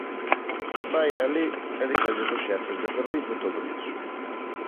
Vaia alí e dígalles aos xefes de servizo todo iso.